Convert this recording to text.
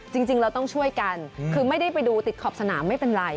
จริงเราต้องช่วยกันคือไม่ได้ไปดูติดขอบสนามไม่เป็นไร